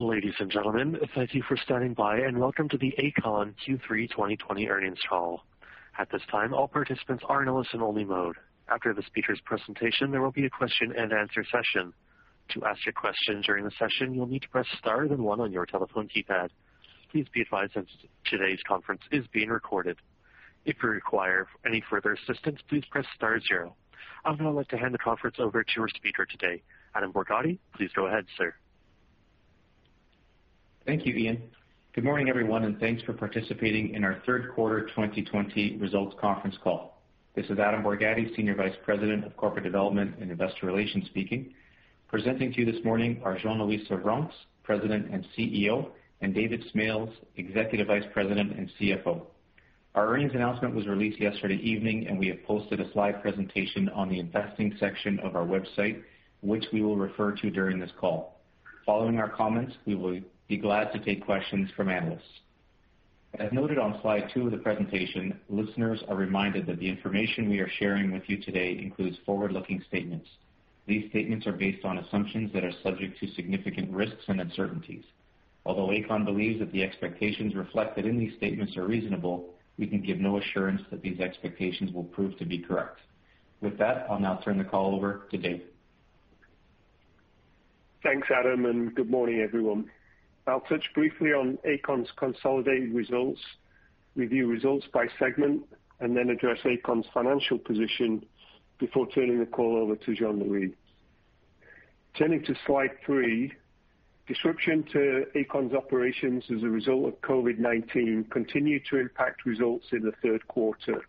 Ladies and gentlemen, thank you for standing by, and welcome to the Aecon Q3 2020 earnings call. At this time, all participants are in listen only mode. After the speaker's presentation, there will be a question and answer session. To ask a question during the session, you'll need to press star then one on your telephone keypad. Please be advised that today's conference is being recorded. If you require any further assistance, please press star zero. I would now like to hand the conference over to our speaker today, Adam Borgatti. Please go ahead, sir. Thank you, Ian. Good morning, everyone, and thanks for participating in our third quarter 2020 results conference call. This is Adam Borgatti, Senior Vice President of Corporate Development and Investor Relations speaking. Presenting to you this morning are Jean-Louis Servranckx, President and CEO, and David Smales, Executive Vice President and CFO. Our earnings announcement was released yesterday evening, and we have posted a slide presentation on the investing section of our website, which we will refer to during this call. Following our comments, we will be glad to take questions from analysts. As noted on slide two of the presentation, listeners are reminded that the information we are sharing with you today includes forward-looking statements. These statements are based on assumptions that are subject to significant risks and uncertainties. Although Aecon believes that the expectations reflected in these statements are reasonable, we can give no assurance that these expectations will prove to be correct. With that, I'll now turn the call over to David. Thanks, Adam, and good morning, everyone. I'll touch briefly on Aecon's consolidated results, review results by segment, and then address Aecon's financial position before turning the call over to Jean-Louis. Turning to slide three, disruption to Aecon's operations as a result of COVID-19 continued to impact results in the third quarter,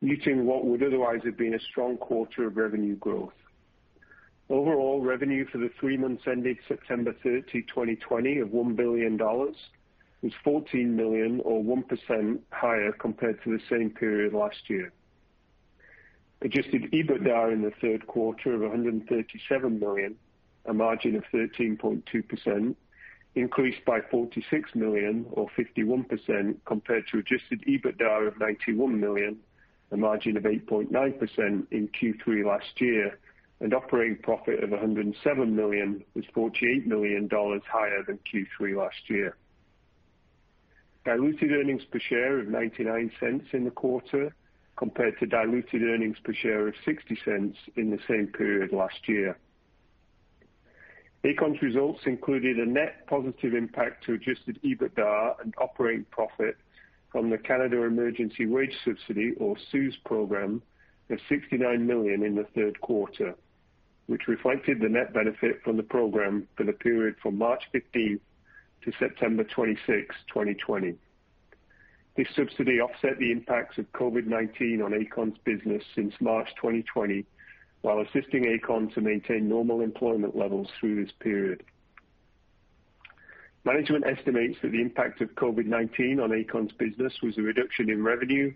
muting what would otherwise have been a strong quarter of revenue growth. Overall revenue for the three months ending September 30, 2020 of 1 billion dollars was 14 million or 1% higher compared to the same period last year. Adjusted EBITDA in the third quarter of 137 million, a margin of 13.2%, increased by 46 million or 51% compared to adjusted EBITDA of 91 million, a margin of 8.9% in Q3 last year. Operating profit of 107 million was 48 million dollars higher than Q3 last year. Diluted earnings per share of 0.99 in the quarter, compared to diluted earnings per share of 0.60 in the same period last year. Aecon's results included a net positive impact to adjusted EBITDA and operating profit from the Canada Emergency Wage Subsidy, or CEWS program, of 69 million in the third quarter, which reflected the net benefit from the program for the period from March 15th to September 26th, 2020. This subsidy offset the impacts of COVID-19 on Aecon's business since March 2020, while assisting Aecon to maintain normal employment levels through this period. Management estimates that the impact of COVID-19 on Aecon's business was a reduction in revenue,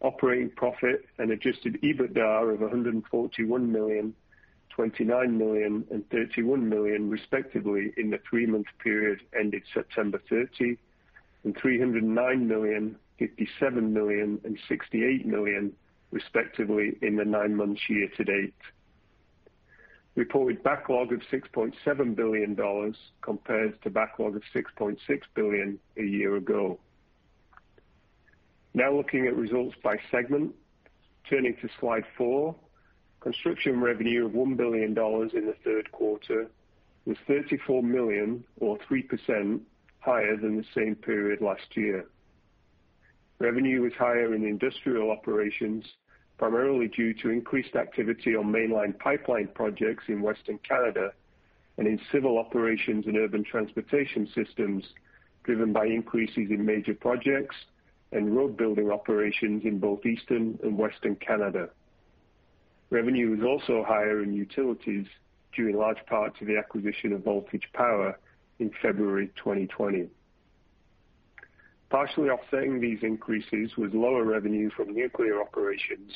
operating profit, and adjusted EBITDA of 141 million, 29 million, and 31 million respectively in the three-month period ending September 30, and 309 million, 57 million, and 68 million respectively in the nine months year to date. Reported backlog of 6.7 billion dollars compares to backlog of 6.6 billion a year ago. Now looking at results by segment. Turning to slide four. Construction revenue of 1 billion dollars in the third quarter was 34 million or 3% higher than the same period last year. Revenue was higher in industrial operations, primarily due to increased activity on mainline pipeline projects in Western Canada and in civil operations and urban transportation systems, driven by increases in major projects and road building operations in both Eastern and Western Canada. Revenue was also higher in utilities due in large part to the acquisition of Voltage Power in February 2020. Partially offsetting these increases was lower revenue from nuclear operations,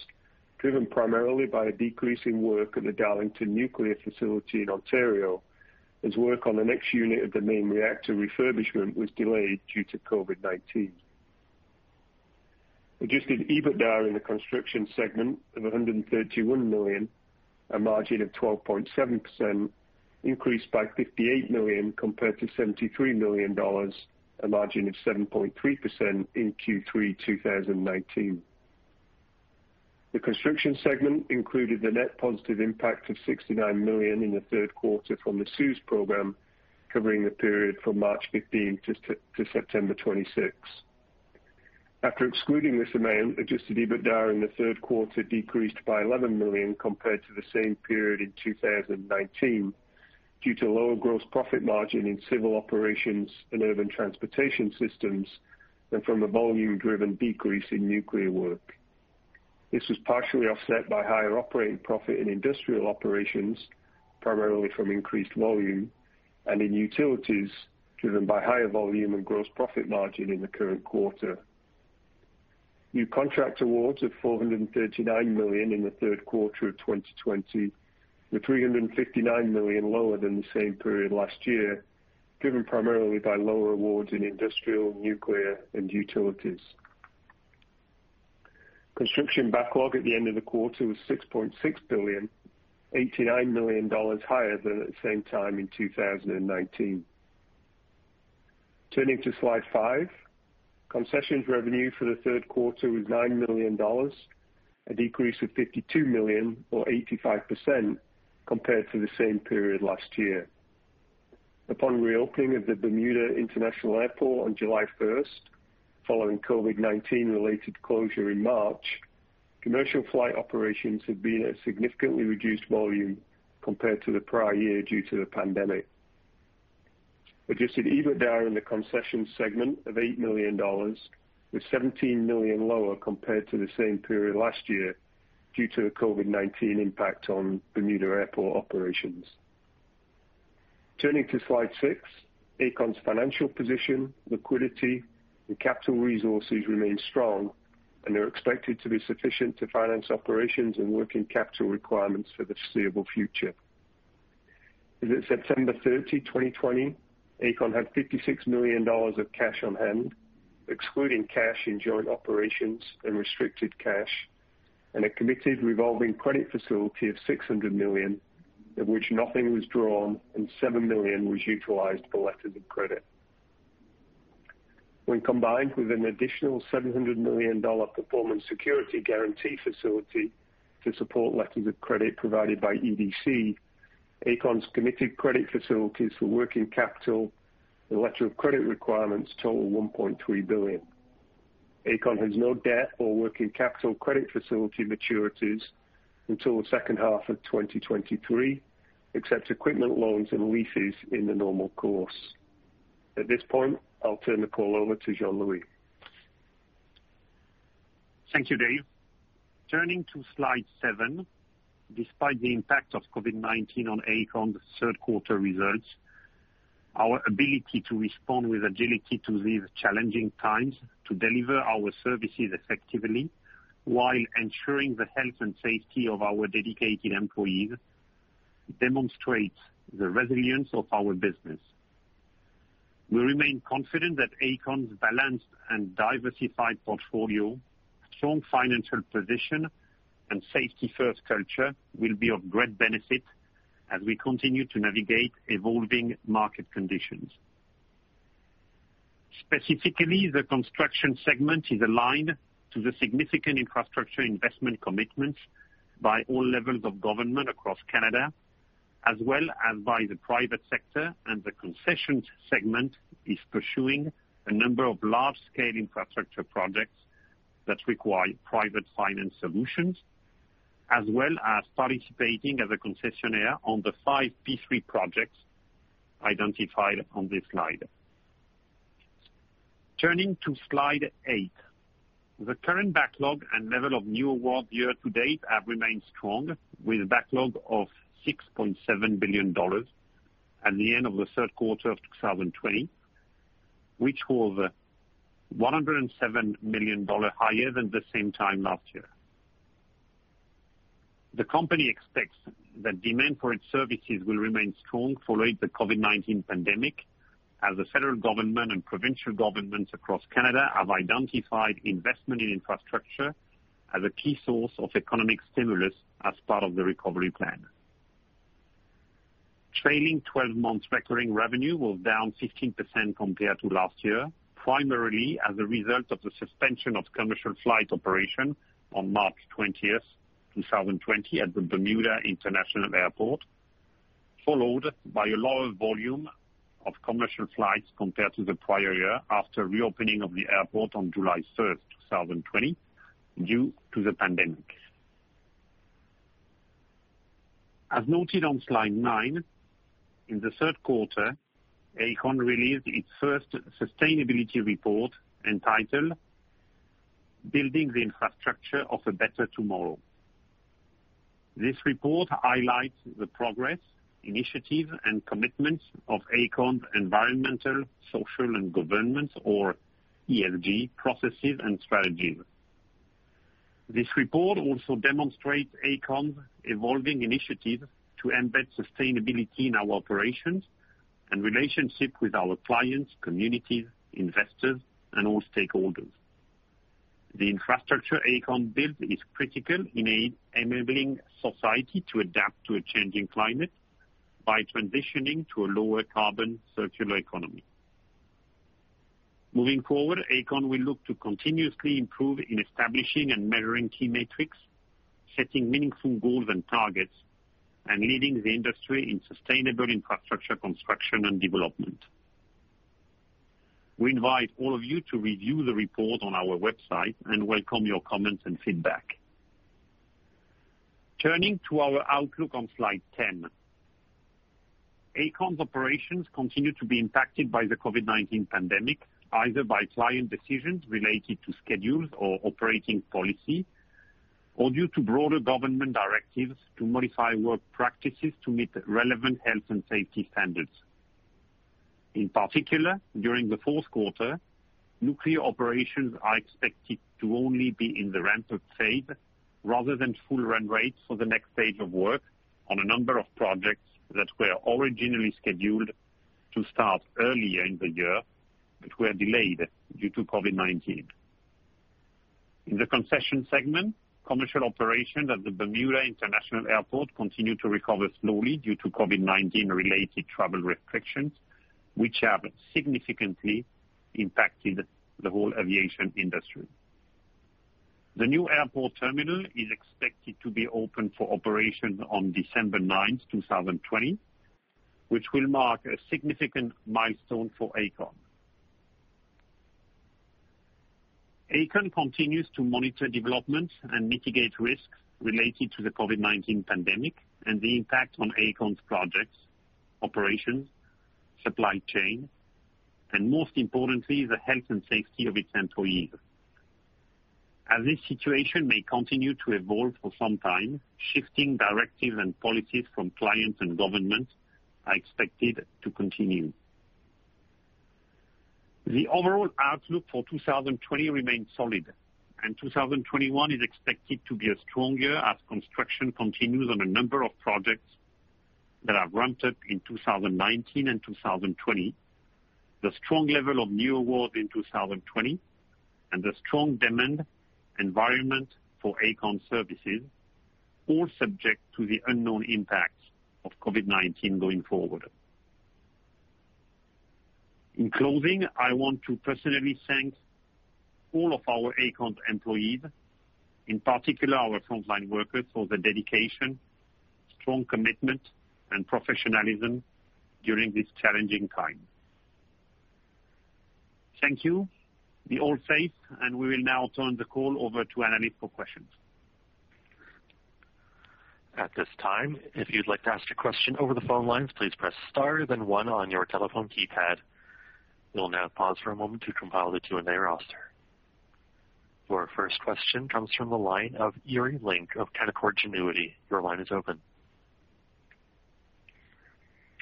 driven primarily by a decrease in work at the Darlington Nuclear Facility in Ontario, as work on the next unit of the main reactor refurbishment was delayed due to COVID-19. Adjusted EBITDA in the construction segment of 131 million, a margin of 12.7%, increased by 58 million compared to 73 million dollars, a margin of 7.3%, in Q3 2019. The construction segment included the net positive impact of 69 million in the third quarter from the CEWS program, covering the period from March 15th to September 26th. After excluding this amount, adjusted EBITDA in the third quarter decreased by 11 million compared to the same period in 2019 due to lower gross profit margin in civil operations and urban transportation systems and from a volume-driven decrease in nuclear work. This was partially offset by higher operating profit in industrial operations, primarily from increased volume, and in utilities driven by higher volume and gross profit margin in the current quarter. New contract awards of 439 million in the third quarter of 2020, were 359 million lower than the same period last year, driven primarily by lower awards in industrial, nuclear, and utilities. Construction backlog at the end of the quarter was 6.6 billion, 89 million dollars higher than at the same time in 2019. Turning to slide five, concessions revenue for the third quarter was CAD 9 million, a decrease of CAD 52 million or 85% compared to the same period last year. Upon reopening of the L.F. Wade International Airport on July 1st, following COVID-19 related closure in March, commercial flight operations have been at a significantly reduced volume compared to the prior year due to the pandemic. Adjusted EBITDA in the concessions segment of 8 million dollars was 17 million lower compared to the same period last year due to the COVID-19 impact on L.F. Wade International Airport operations. Turning to slide six, Aecon's financial position, liquidity, and capital resources remain strong and are expected to be sufficient to finance operations and working capital requirements for the foreseeable future. As at September 30, 2020, Aecon had CAD 56 million of cash on hand, excluding cash in joint operations and restricted cash, and a committed revolving credit facility of 600 million, of which nothing was drawn, and 7 million was utilized for letters of credit. When combined with an additional 700 million dollar performance security guarantee facility to support letters of credit provided by EDC, Aecon's committed credit facilities for working capital and letter of credit requirements total 1.3 billion. Aecon has no debt or working capital credit facility maturities until the H2 of 2023, except equipment loans and leases in the normal course. At this point, I'll turn the call over to Jean-Louis. Thank you, Dave. Turning to slide seven, despite the impact of COVID-19 on Aecon's third quarter results, our ability to respond with agility to these challenging times to deliver our services effectively while ensuring the health and safety of our dedicated employees demonstrates the resilience of our business. We remain confident that Aecon's balanced and diversified portfolio, strong financial position, and safety-first culture will be of great benefit as we continue to navigate evolving market conditions. Specifically, the construction segment is aligned to the significant infrastructure investment commitments by all levels of government across Canada, as well as by the private sector, and the concessions segment is pursuing a number of large-scale infrastructure projects that require private finance solutions as well as participating as a concessionaire on the five P3 projects identified on this slide. Turning to slide eight, the current backlog and level of new awards year to date have remained strong, with a backlog of 6.7 billion dollars at the end of the third quarter of 2020, which was 107 million dollar higher than the same time last year. The company expects that demand for its services will remain strong following the COVID-19 pandemic, as the federal government and provincial governments across Canada have identified investment in infrastructure as a key source of economic stimulus as part of the recovery plan. Trailing 12 months recurring revenue was down 15% compared to last year, primarily as a result of the suspension of commercial flight operation on March 20th, 2020, at the Bermuda International Airport, followed by a lower volume of commercial flights compared to the prior year after reopening of the airport on July 1st, 2020, due to the pandemic. As noted on slide nine, in the third quarter, Aecon released its first sustainability report entitled Building the Infrastructure of a Better Tomorrow. This report highlights the progress, initiative, and commitment of Aecon's environmental, social, and governance, or ESG, processes and strategies. This report also demonstrates Aecon's evolving initiative to embed sustainability in our operations and relationship with our clients, communities, investors, and all stakeholders. The infrastructure Aecon builds is critical in enabling society to adapt to a changing climate by transitioning to a lower carbon circular economy. Moving forward, Aecon will look to continuously improve in establishing and measuring key metrics, setting meaningful goals and targets, and leading the industry in sustainable infrastructure construction and development. We invite all of you to review the report on our website and welcome your comments and feedback. Turning to our outlook on slide 10. Aecon's operations continue to be impacted by the COVID-19 pandemic, either by client decisions related to schedules or operating policy, or due to broader government directives to modify work practices to meet relevant health and safety standards. In particular, during the fourth quarter, nuclear operations are expected to only be in the ramp-up phase rather than full run rates for the next phase of work on a number of projects that were originally scheduled to start earlier in the year, but were delayed due to COVID-19. In the concession segment, commercial operation at the Bermuda International Airport continue to recover slowly due to COVID-19 related travel restrictions, which have significantly impacted the whole aviation industry. The new airport terminal is expected to be open for operation on December 9th, 2020, which will mark a significant milestone for Aecon. Aecon continues to monitor developments and mitigate risks related to the COVID-19 pandemic and the impact on Aecon's projects, operations, supply chain, and most importantly, the health and safety of its employees. As this situation may continue to evolve for some time, shifting directives and policies from clients and governments are expected to continue. The overall outlook for 2020 remains solid, and 2021 is expected to be a strong year as construction continues on a number of projects that have ramped up in 2019 and 2020. The strong level of new awards in 2020 and the strong demand environment for Aecon services, all subject to the unknown impacts of COVID-19 going forward. In closing, I want to personally thank all of our Aecon employees, in particular our frontline workers, for the dedication, strong commitment, and professionalism during this challenging time. Thank you. Be all safe, we will now turn the call over to analysts for questions. At this time, if you'd like to ask a question over the phone lines, please press star then one on your telephone keypad. We'll now pause for a moment to compile the Q&A roster. Your first question comes from the line of Yuri Lynk of Canaccord Genuity. Your line is open.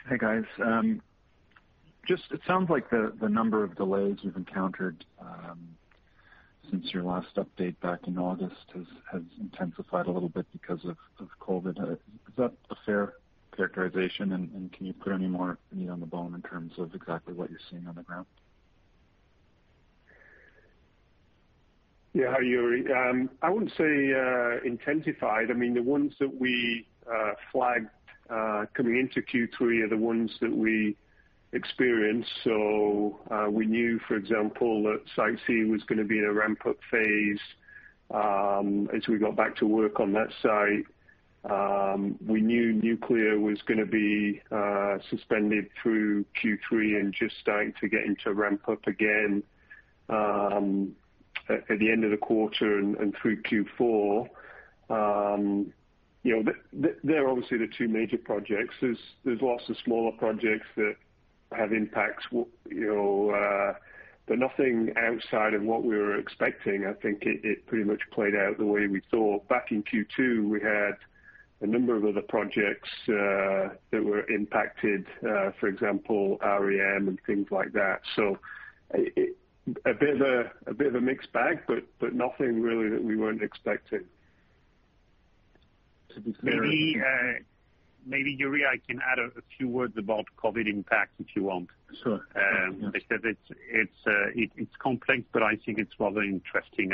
Hey, guys. It sounds like the number of delays you've encountered since your last update back in August has intensified a little bit because of COVID. Is that a fair characterization, and can you put any more meat on the bone in terms of exactly what you're seeing on the ground? Yeah. Hi, Yuri. I wouldn't say intensified. The ones that we flagged coming into Q3 are the ones that we experienced. We knew, for example, that Site C was going to be in a ramp-up phase, as we got back to work on that site. We knew nuclear was going to be suspended through Q3 and just starting to get into ramp-up again at the end of the quarter and through Q4. They're obviously the two major projects. There's lots of smaller projects that have impacts, but nothing outside of what we were expecting. I think it pretty much played out the way we thought. Back in Q2, we had a number of other projects that were impacted, for example, REM and things like that. A bit of a mixed bag, but nothing really that we weren't expecting. Maybe, Yuri, I can add a few words about COVID impact, if you want. Sure. Because it's complex, but I think it's rather interesting.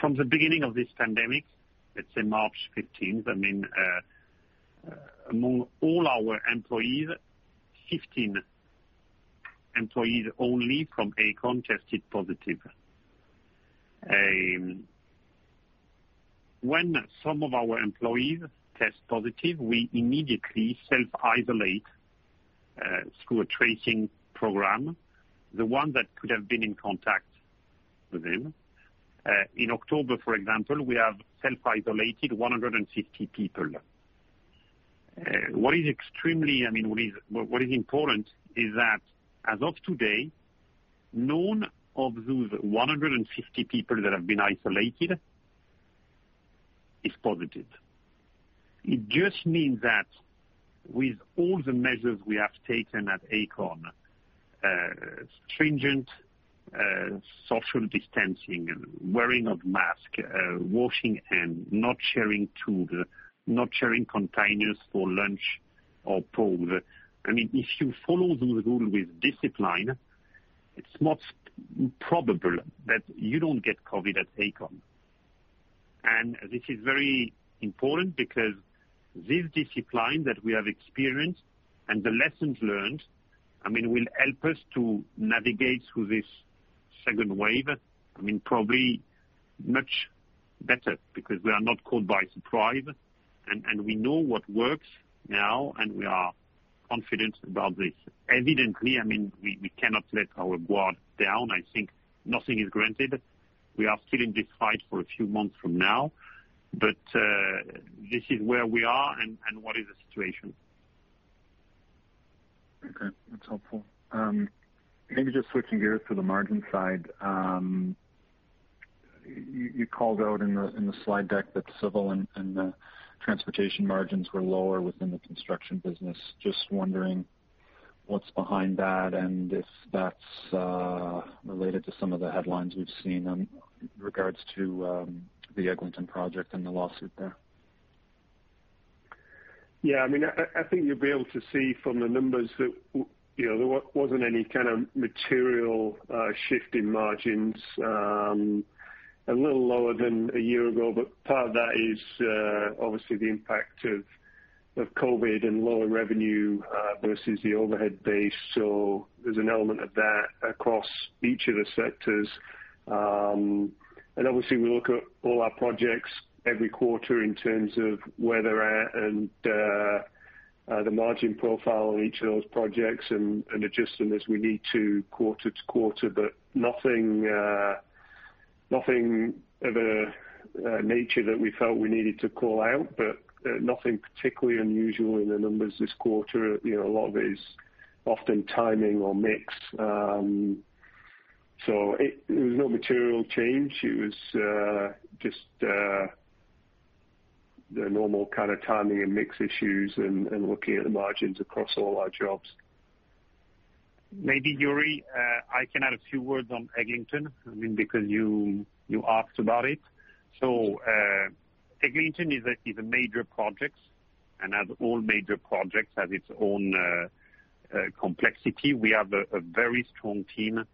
From the beginning of this pandemic, let's say March 15th, among all our employees, 15 employees only from Aecon tested positive. When some of our employees test positive, we immediately self-isolate through a tracing program, the one that could have been in contact with him. In October, for example, we have self-isolated 150 people. What is important is that as of today, none of those 150 people that have been isolated is positive. It just means that with all the measures we have taken at Aecon, stringent social distancing and wearing of mask, washing hand, not sharing tools, not sharing containers for lunch or food. If you follow those rules with discipline, it's most probable that you don't get COVID at Aecon. This is very important because this discipline that we have experienced and the lessons learned will help us to navigate through this second wave probably much better because we are not caught by surprise, and we know what works now, and we are confident about this. Evidently, we cannot let our guard down. I think nothing is granted. We are still in this fight for a few months from now, but this is where we are and what is the situation. Okay. That's helpful. Maybe just switching gears to the margin side. You called out in the slide deck that civil and the transportation margins were lower within the construction business. Just wondering what's behind that and if that's related to some of the headlines we've seen in regards to the Eglinton project and the lawsuit there. Yeah, I think you'll be able to see from the numbers that there wasn't any kind of material shift in margins. A little lower than a year ago, part of that is obviously the impact of COVID and lower revenue versus the overhead base. There's an element of that across each of the sectors. Obviously, we look at all our projects every quarter in terms of where they're at and the margin profile of each of those projects, and adjust them as we need to quarter-to-quarter. Nothing of a nature that we felt we needed to call out, but nothing particularly unusual in the numbers this quarter. A lot of it is often timing or mix. It was no material change. It was just the normal kind of timing and mix issues and looking at the margins across all our jobs. Yuri, I can add a few words on Eglinton, because you asked about it. Eglinton is a major project, and as all major projects, has its own complexity. We have a very strong team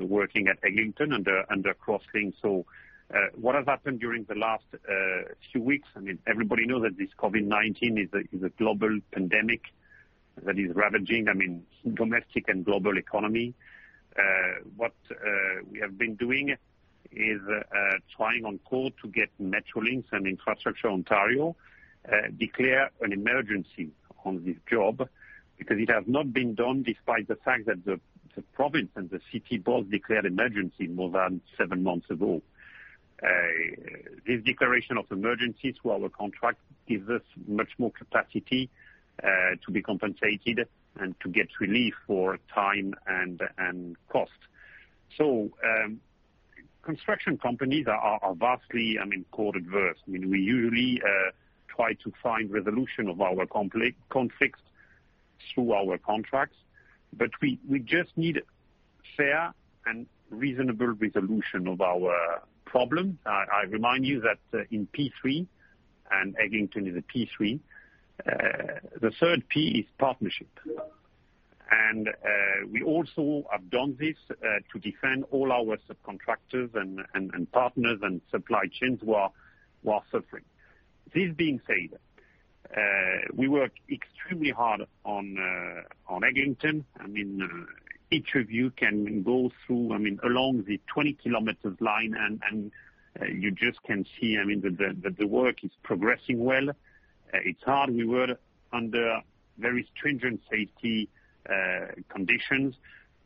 working at Eglinton and Crosslinx. What has happened during the last few weeks, everybody knows that this COVID-19 is a global pandemic that is ravaging domestic and global economy. What we have been doing is trying on call to get Metrolinx and Infrastructure Ontario declare an emergency on this job, because it has not been done despite the fact that the province and the city both declared emergency more than seven months ago. This declaration of emergency through our contract gives us much more capacity to be compensated and to get relief for time and cost. Construction companies are vastly court-adverse. We usually try to find resolution of our conflicts through our contracts. We just need fair and reasonable resolution of our problem. I remind you that in P3, and Eglinton is a P3, the third P is partnership. We also have done this to defend all our subcontractors and partners and supply chains who are suffering. This being said, we work extremely hard on Eglinton. Each of you can go through along the 20 km line, and you just can see that the work is progressing well. It's hard. We work under very stringent safety conditions.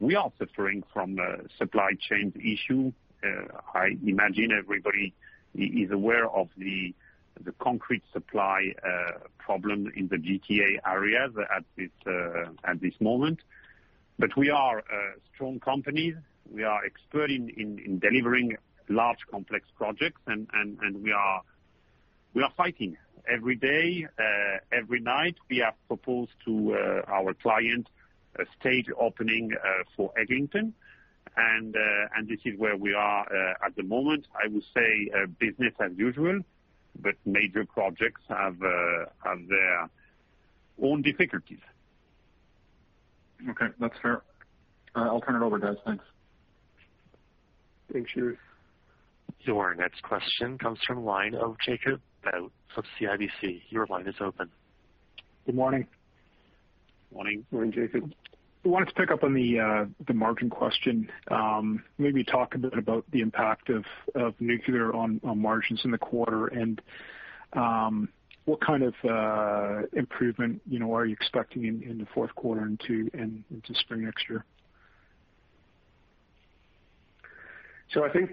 We are suffering from a supply chain issue. I imagine everybody is aware of the concrete supply problem in the GTA areas at this moment. We are a strong company. We are expert in delivering large, complex projects, and we are fighting every day. Every night, we have proposed to our client a stage opening for Eglinton, and this is where we are at the moment. I would say business as usual, but major projects have their own difficulties. Okay, that's fair. I'll turn it over, guys. Thanks. Thanks, Yuri. Your next question comes from the line of Jacob Bout of CIBC. Your line is open. Good morning. Morning. Morning, Jacob. I wanted to pick up on the margin question. Maybe talk a bit about the impact of nuclear on margins in the quarter, and what kind of improvement are you expecting in the fourth quarter and into spring next year? I think,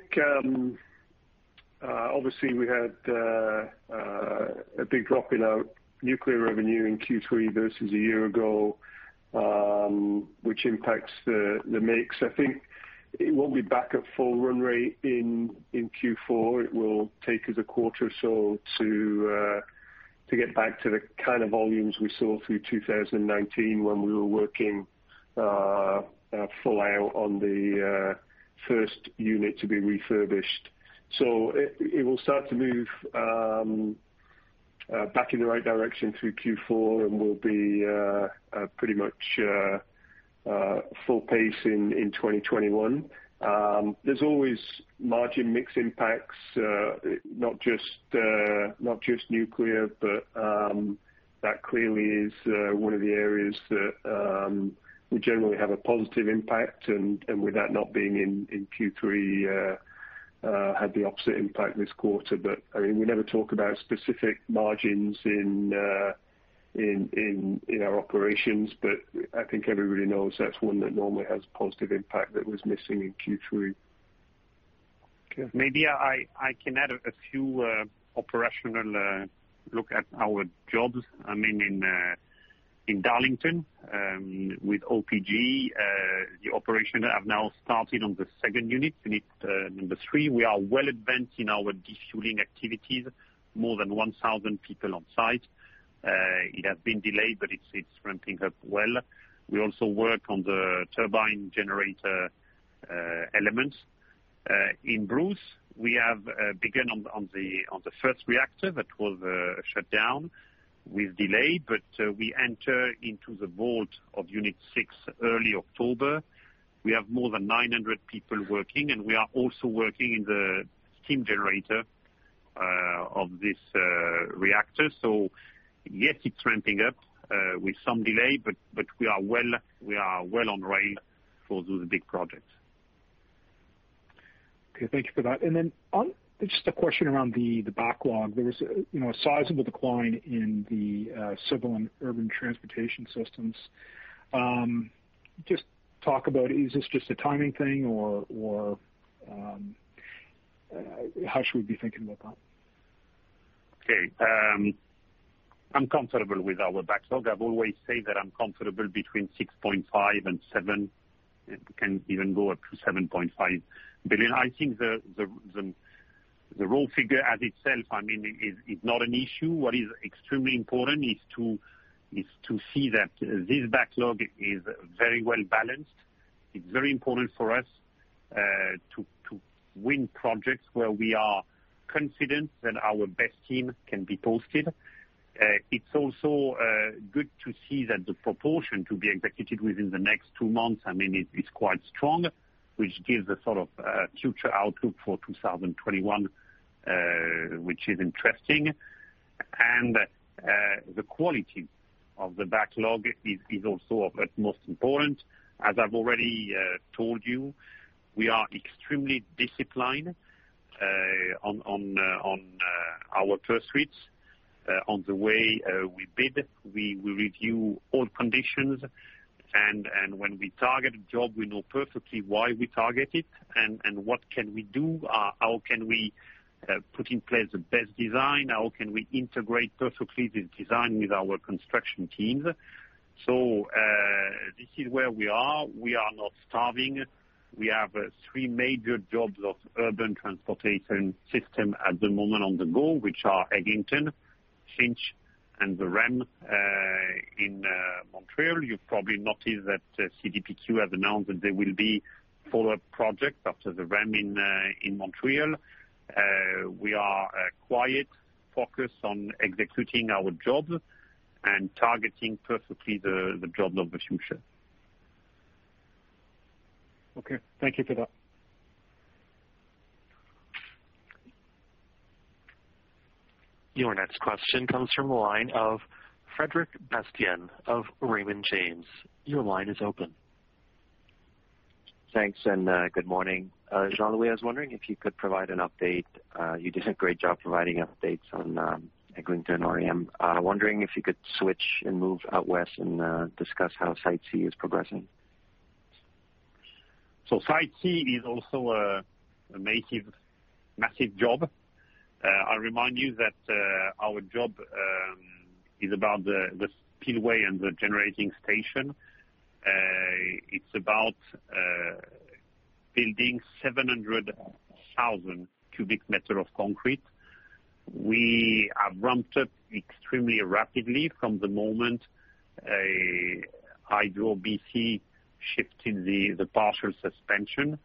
obviously we had a big drop in our nuclear revenue in Q3 versus a year ago, which impacts the mix. I think it won't be back at full run rate in Q4. It will take us a quarter or so to get back to the kind of volumes we saw through 2019 when we were working full out on the first unit to be refurbished. It will start to move back in the right direction through Q4, and we'll be pretty much full pace in 2021. There's always margin mix impacts, not just nuclear, but that clearly is one of the areas that will generally have a positive impact. With that not being in Q3, had the opposite impact this quarter. We never talk about specific margins in our operations, but I think everybody knows that's one that normally has a positive impact that was missing in Q3. Maybe I can add a few operational look at our jobs. In Darlington, with OPG, the operation have now started on the second unit number three. We are well advanced in our defueling activities, more than 1,000 people on site. It has been delayed, but it's ramping up well. We also work on the turbine generator elements. In Bruce, we have begun on the first reactor that was shut down with delay, but we enter into the vault of Unit 6 early October. We have more than 900 people working, and we are also working in the steam generator of this reactor. Yes, it's ramping up with some delay, but we are well on rail for those big projects. Okay. Thank you for that. Just a question around the backlog. There was a sizable decline in the Civil and Urban Transportation Systems. Is this just a timing thing or how should we be thinking about that? Okay. I'm comfortable with our backlog. I've always said that I'm comfortable between 6.5 and 7. It can even go up to 7.5 billion. I think the raw figure as itself is not an issue. What is extremely important is to see that this backlog is very well balanced. It's very important for us to win projects where we are confident that our best team can be posted. It's also good to see that the proportion to be executed within the next two months, it's quite strong, which gives a sort of future outlook for 2021, which is interesting. The quality of the backlog is also of utmost importance. As I've already told you, we are extremely disciplined on our pursuits, on the way we bid. We review all conditions, and when we target a job, we know perfectly why we target it and what can we do, how can we put in place the best design? How can we integrate perfectly the design with our construction teams? This is where we are. We are not starving. We have three major jobs of Urban Transportation System at the moment on the go, which are Eglinton, Finch, and the REM in Montreal. You've probably noticed that CDPQ has announced that there will be follow-up projects after the REM in Montreal. We are quiet, focused on executing our jobs, and targeting perfectly the jobs of the future. Okay. Thank you for that. Your next question comes from the line of Frederic Bastien of Raymond James. Your line is open. Thanks. Good morning. Jean-Louis, I was wondering if you could provide an update. You did a great job providing updates on Eglinton and REM. I'm wondering if you could switch and move out west and discuss how Site C is progressing. Site C is also a massive job. I remind you that our job is about the spillway and the generating station. It's about building 700,000 cubic meter of concrete. We have ramped up extremely rapidly from the moment BC Hydro shifted the partial suspension.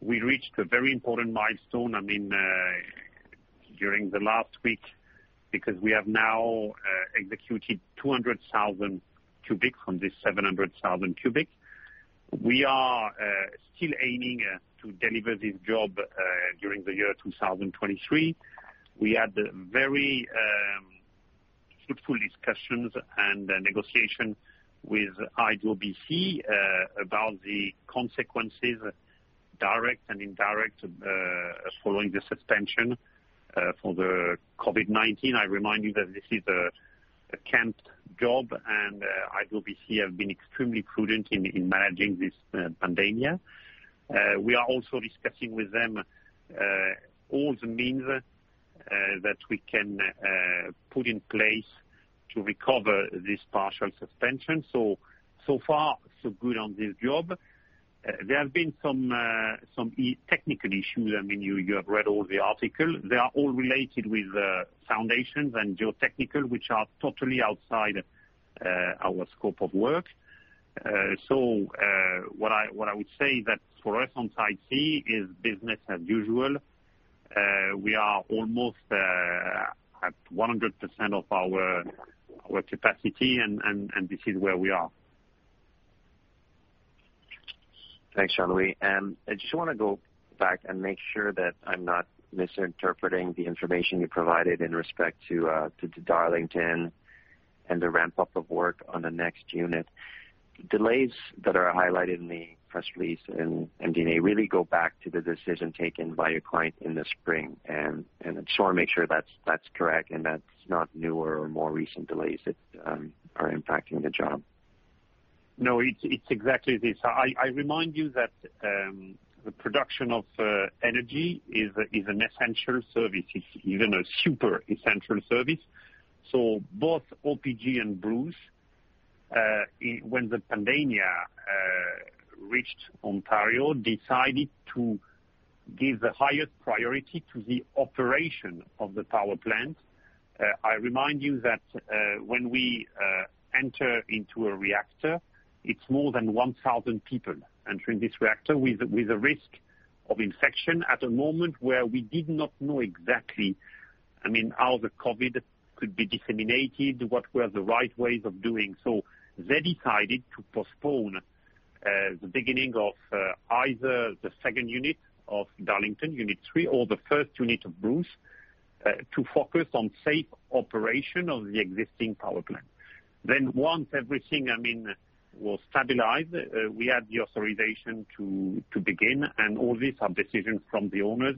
We reached a very important milestone during the last week because we have now executed 200,000 cubic from this 700,000 cubic. We are still aiming to deliver this job during the year 2023. We had very fruitful discussions and negotiation with BC Hydro about the consequences, direct and indirect, following the suspension for the COVID-19. I remind you that this is a camped job, and BC Hydro have been extremely prudent in managing this pandemic. We are also discussing with them all the means that we can put in place to recover this partial suspension. So far, so good on this job. There have been some technical issues. You have read all the articles. They are all related with foundations and geotechnical, which are totally outside our scope of work. What I would say that for us on Site C is business as usual. We are almost at 100% of our capacity, and this is where we are. Thanks, Jean-Louis. I just want to go back and make sure that I'm not misinterpreting the information you provided in respect to Darlington and the ramp-up of work on the next unit. Delays that are highlighted in the press release and MD&A really go back to the decision taken by your client in the spring, and I just want to make sure that's correct and that's not newer or more recent delays that are impacting the job. No, it's exactly this. I remind you that the production of energy is an essential service. It's even a super essential service. Both OPG and Bruce, when the pandemic reached Ontario decided to give the highest priority to the operation of the power plant. I remind you that when we enter into a reactor, it's more than 1,000 people entering this reactor with a risk of infection at a moment where we did not know exactly how the COVID could be disseminated, what were the right ways of doing. They decided to postpone the beginning of either the second unit of Darlington, Unit 3, or the first unit of Bruce, to focus on safe operation of the existing power plant. Once everything was stabilized, we had the authorization to begin, and all these are decisions from the owners.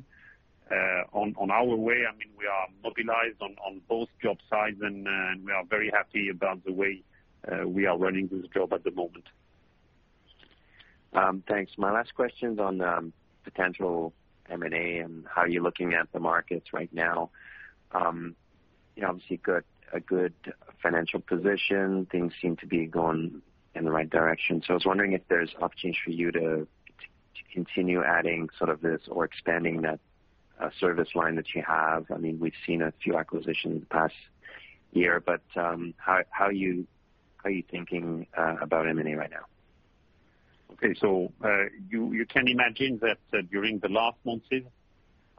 On our way, we are mobilized on both job sites and we are very happy about the way we are running this job at the moment. Thanks. My last question is on potential M&A and how you're looking at the markets right now. Obviously, a good financial position. Things seem to be going in the right direction. I was wondering if there's opportunity for you to continue adding sort of this or expanding that service line that you have. We've seen a few acquisitions in the past year. How are you thinking about M&A right now? Okay. You can imagine that during the last months,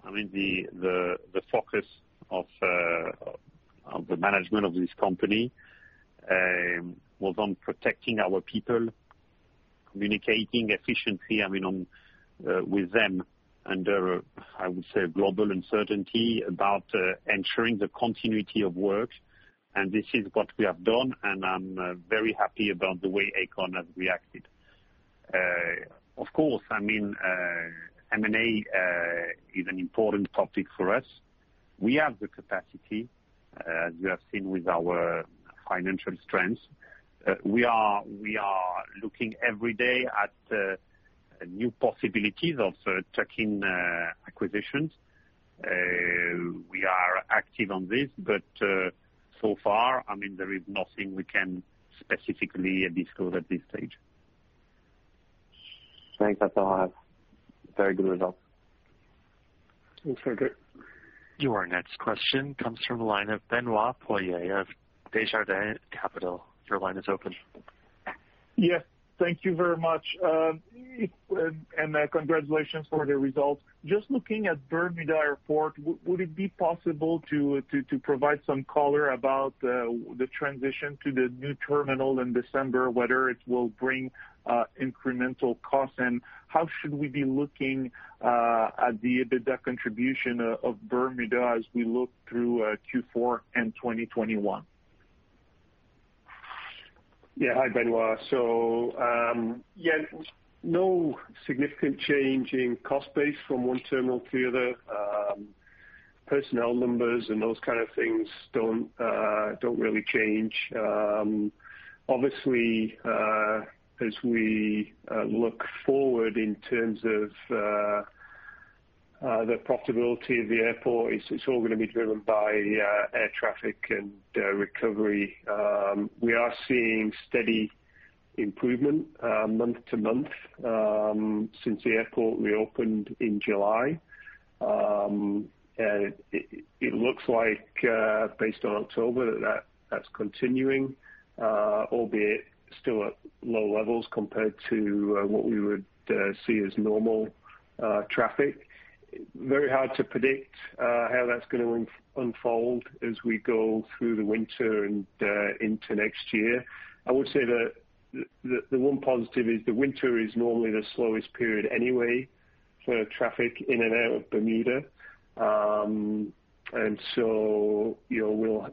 the focus of the management of this company was on protecting our people, communicating efficiently with them under, I would say, global uncertainty about ensuring the continuity of work, and this is what we have done, and I'm very happy about the way Aecon has reacted. Of course, M&A is an important topic for us. We have the capacity, as you have seen with our financial strengths. We are looking every day at new possibilities of checking acquisitions. We are active on this, but so far, there is nothing we can specifically disclose at this stage. Thanks. That's all I have. Very good results. Thanks, Frederic. Your next question comes from the line of Benoit Poirier of Desjardins Capital. Your line is open. Yes, thank you very much. Congratulations for the results. Just looking at Bermuda Airport, would it be possible to provide some color about the transition to the new terminal in December, whether it will bring incremental costs? How should we be looking at the EBITDA contribution of Bermuda as we look through Q4 and 2021? Hi, Benoit. No significant change in cost base from one terminal to the other. Personnel numbers and those kind of things don't really change. Obviously, as we look forward in terms of the profitability of the airport, it's all going to be driven by air traffic and recovery. We are seeing steady improvement month-to-month since the airport reopened in July. It looks like, based on October, that's continuing, albeit still at low levels compared to what we would see as normal traffic. Very hard to predict how that's going to unfold as we go through the winter and into next year. I would say that the one positive is the winter is normally the slowest period anyway for traffic in and out of Bermuda.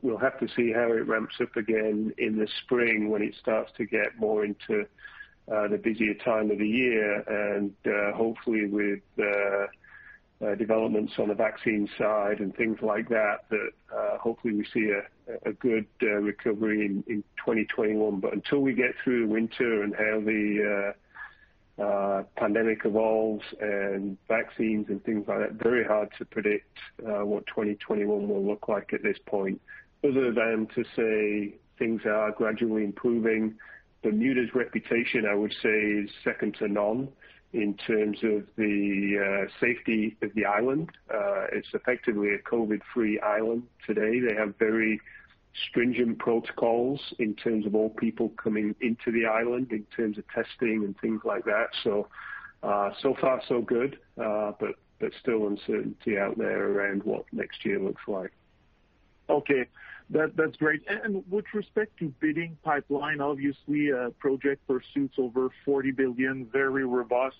We'll have to see how it ramps up again in the spring when it starts to get more into the busier time of the year. Hopefully with developments on the vaccine side and things like that, hopefully we see a good recovery in 2021. Until we get through the winter and how the pandemic evolves and vaccines and things like that, very hard to predict what 2021 will look like at this point, other than to say things are gradually improving. Bermuda's reputation, I would say, is second to none in terms of the safety of the island. It's effectively a COVID-free island today. They have very stringent protocols in terms of all people coming into the island, in terms of testing and things like that. So far so good. There's still uncertainty out there around what next year looks like. Okay. That's great. With respect to bidding pipeline, obviously project pursuits over 40 billion, very robust.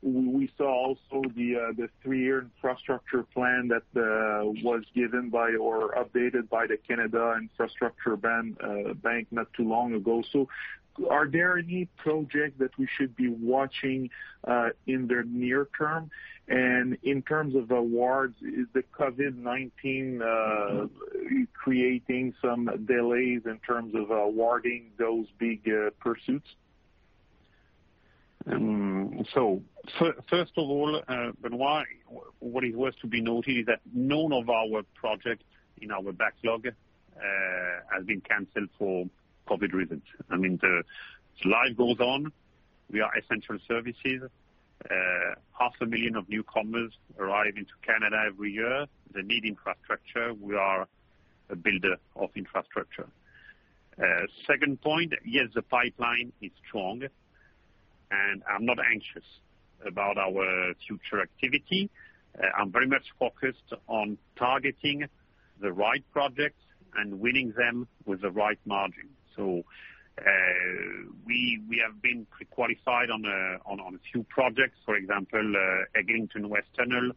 We saw also the three-year infrastructure plan that was given by or updated by the Canada Infrastructure Bank not too long ago. Are there any projects that we should be watching in the near term? In terms of awards, is the COVID-19 creating some delays in terms of awarding those big pursuits? First of all, Benoit, what is worth to be noted is that none of our projects in our backlog has been canceled for COVID reasons. Life goes on. We are essential services. 500,000 of newcomers arrive into Canada every year. They need infrastructure. We are a builder of infrastructure. Second point, yes, the pipeline is strong. I'm not anxious about our future activity. I'm very much focused on targeting the right projects and winning them with the right margin. We have been pre-qualified on a few projects, for example, Eglinton West Tunnel,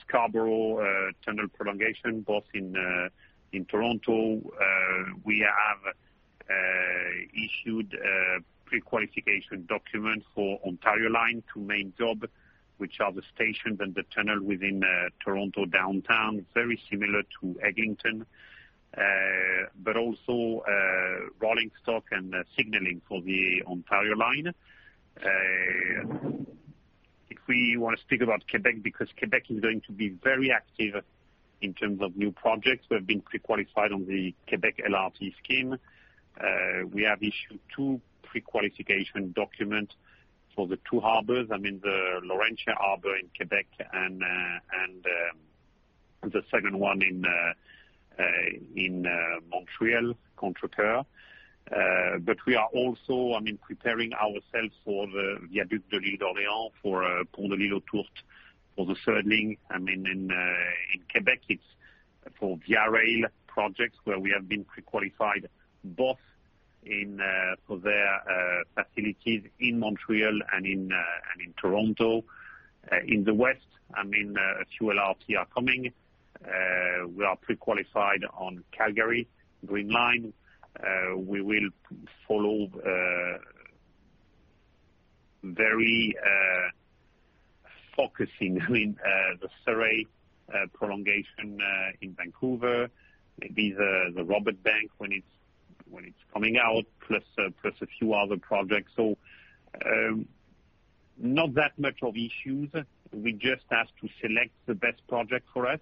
Scarborough Tunnel prolongation, both in Toronto. We have issued pre-qualification documents for Ontario Line, two main job, which are the stations and the tunnel within Toronto downtown, very similar to Eglinton. Also rolling stock and signaling for the Ontario Line. If we want to speak about Quebec, because Quebec is going to be very active in terms of new projects. We have been pre-qualified on the Quebec LRT scheme. We have issued two pre-qualification documents for the two harbors, the Laurentia Harbour in Quebec and the second one in Montreal, Contrecoeur. We are also preparing ourselves for the Viaduc de l'Île-d'Orléans, for Pont l'Île-aux-Tourtes, for the third link. In Quebec, it's for VIA Rail projects, where we have been pre-qualified both for their facilities in Montreal and in Toronto. In the west, a few LRT are coming. We are pre-qualified on Calgary Green Line. We will follow very focusing the Surrey prolongation in Vancouver, maybe the Roberts Bank when it's coming out, plus a few other projects. Not that much of issues. We just have to select the best project for us,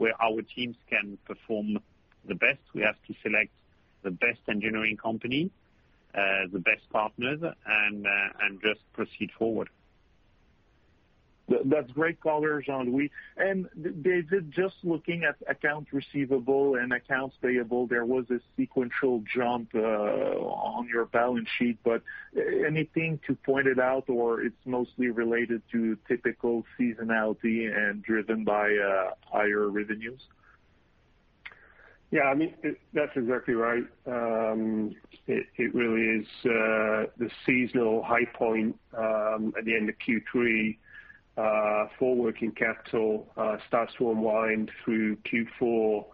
where our teams can perform the best. We have to select the best engineering company, the best partners, and just proceed forward. That's great color, Jean-Louis. David, just looking at accounts receivable and accounts payable, there was a sequential jump on your balance sheet, but anything to point it out, or it's mostly related to typical seasonality and driven by higher revenues? Yeah. That's exactly right. It really is the seasonal high point at the end of Q3 for working capital starts to unwind through Q4,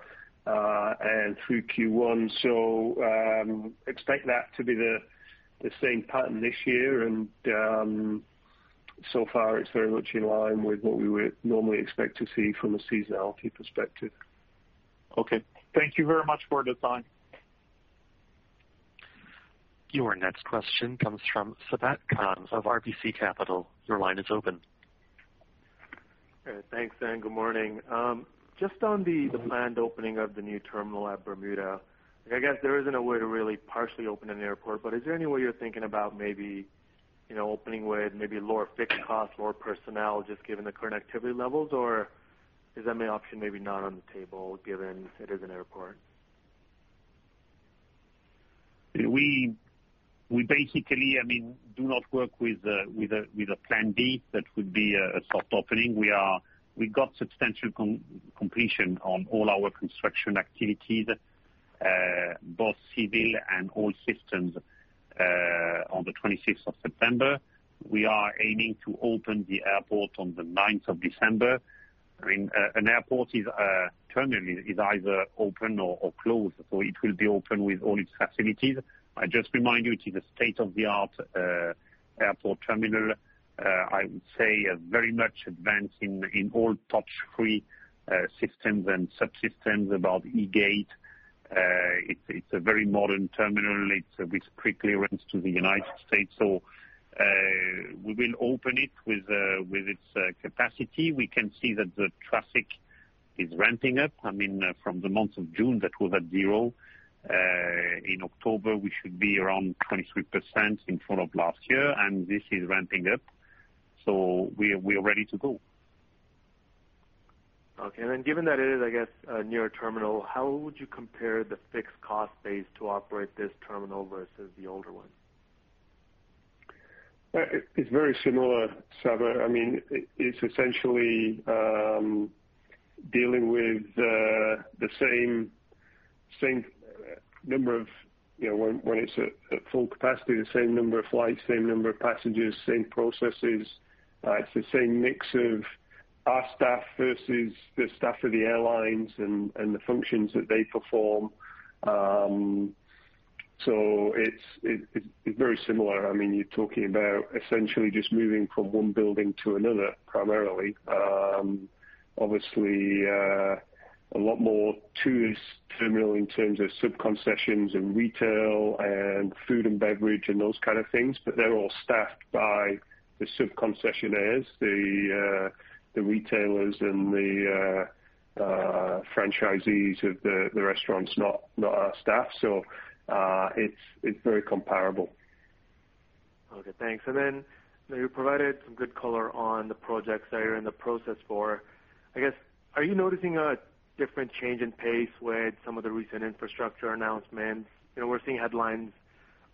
and through Q1. Expect that to be the same pattern this year. So far, it's very much in line with what we would normally expect to see from a seasonality perspective. Okay. Thank you very much for the time. Your next question comes from Sabahat Khan of RBC Capital Markets. Your line is open. Okay, thanks. Good morning. Just on the planned opening of the new terminal at Bermuda. I guess there isn't a way to really partially open an airport, is there any way you're thinking about maybe opening with maybe lower fixed cost, lower personnel, just given the current activity levels? Is that an option maybe not on the table given it is an airport? We basically do not work with a plan B that would be a soft opening. We got substantial completion on all our construction activities, both civil and all systems, on the 26th of September. We are aiming to open the airport on the 9th of December. An airport terminal is either open or closed, so it will be open with all its facilities. I just remind you, it is a state-of-the-art airport terminal. I would say very much advanced in all touch-free systems and subsystems about eGate. It's a very modern terminal. It's with pre-clearance to the United States. We will open it with its capacity. We can see that the traffic is ramping up. From the month of June, that was at zero. In October, we should be around 23% in front of last year, and this is ramping up. We are ready to go. Okay. Given that it is, I guess, a newer terminal, how would you compare the fixed cost base to operate this terminal versus the older one? It's very similar, Sabahat. It's essentially dealing with when it's at full capacity, the same number of flights, same number of passengers, same processes. It's the same mix of our staff versus the staff of the airlines and the functions that they perform. It's very similar. You're talking about essentially just moving from one building to another, primarily. Obviously, a lot more to this terminal in terms of sub-concessions and retail and food and beverage and those kind of things, but they're all staffed by the sub-concessionaires, the retailers, and the franchisees of the restaurants, not our staff. It's very comparable. Okay, thanks. Then you provided some good color on the projects that you're in the process for. I guess, are you noticing a different change in pace with some of the recent infrastructure announcements? We're seeing headlines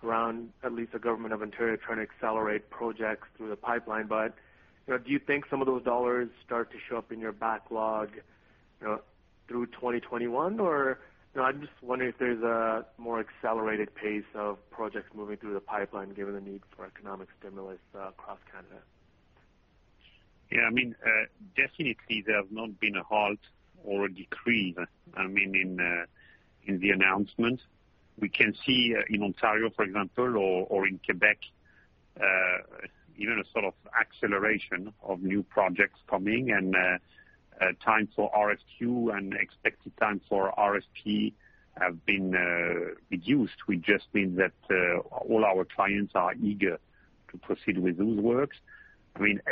around at least the government of Ontario trying to accelerate projects through the pipeline. Do you think some of those dollars start to show up in your backlog through 2021? I'm just wondering if there's a more accelerated pace of projects moving through the pipeline given the need for economic stimulus across Canada. Yeah, definitely there has not been a halt or a decrease in the announcement. We can see in Ontario, for example, or in Quebec, even a sort of acceleration of new projects coming and time for RFQ and expected time for RFP have been reduced, which just means that all our clients are eager to proceed with those works.